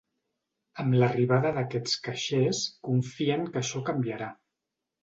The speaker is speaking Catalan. Amb l’arribada d’aquests caixers confien que això canviarà.